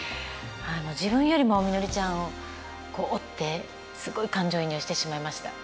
自分よりもみのりちゃんを追ってすごい感情移入してしまいました。